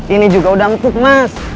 ini juga udah empuk mas